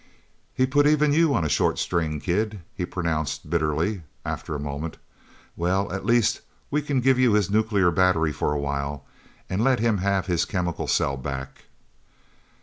"He put even you on a short string, kid," he pronounced bitterly, after a moment. "Well, at least we can give you his nuclear battery for a while, and let him have his chemical cell back."